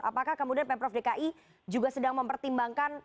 apakah kemudian pemprov dki juga sedang mempertimbangkan